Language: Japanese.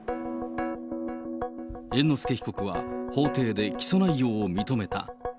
猿之助被告は法廷で起訴内容を認めた。